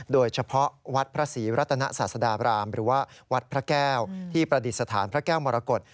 โดยเฉพาะวัดพระศรีรัตนศาสดาบรามหรือว่าวัดพระแก้วที่ประดิษฐานพระแก้วมรกฏ